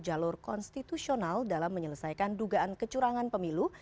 jalur konstitusional dalam menyelesaikan dugaan kecurangan pemilu